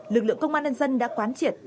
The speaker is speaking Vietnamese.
lực lượng công an nhân dân đã quán triệt